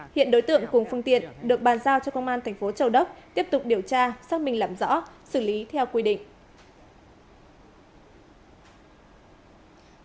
hiện đối tượng cùng phương tiện được bàn giao cho công an thành phố châu đốc tiếp tục điều tra xác minh làm rõ xử lý theo quy định